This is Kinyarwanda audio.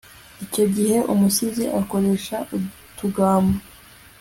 icyo gihe umusizi akoresha utugambo